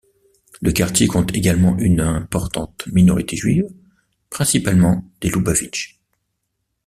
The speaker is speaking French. Le quartier compte également une importante minorité juive, principalement des Loubavitchs.